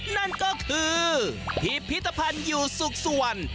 นั่นก็คือพิพิธภัณฑ์อยู่สุขสวรรค์